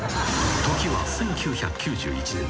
［時は１９９１年］